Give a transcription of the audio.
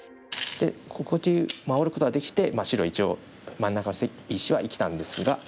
でこっち回ることができて白は一応真ん中の石は生きたんですが。